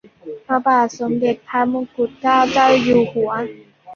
พระบาทสมเด็จพระมงกุฏเกล้าเจ้าอยู่หัว